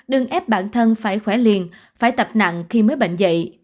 đừng ép bản thân phải khỏe liền phải tập nặng khi mới bệnh dậy